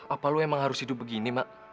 apa lu emang harus hidup begini mak